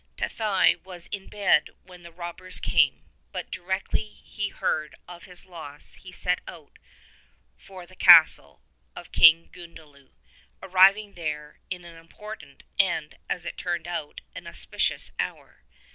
Tathai was in bed when the robbers came, but directly he heard of his loss he set out for the castle of King Gund liew, arriving there in an important and, as it turned out, an auspicious hour.